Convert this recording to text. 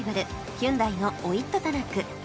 ヒュンダイのオイット・タナック